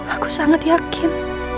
aku sangat yakin